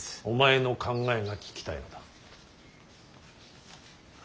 お前の考えが聞きたいのだ。